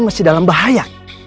masih dalam bahaya